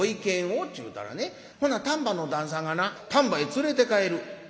ちゅうたらねほな丹波の旦さんがな『丹波へ連れて帰る』」。